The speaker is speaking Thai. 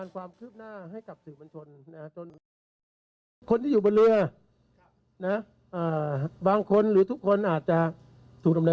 กลุ่นซือคือคนที่ไม่ได้อยู่บนเรือ